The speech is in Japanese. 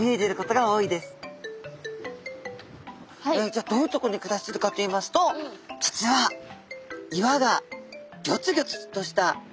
じゃあどういうところに暮らしているかといいますと実は岩がギョツギョツとした岩場。